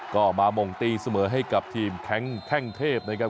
ก็มามงตีเสมอให้กับทีมแท่งเทพนะครับ